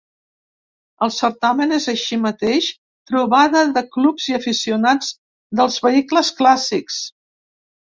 El certamen és així mateix trobada de clubs i aficionats dels vehicles clàssics.